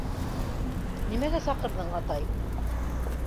- Нимәгә саҡырҙың, атай?